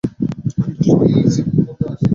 দশটা বাজিয়া গেছে।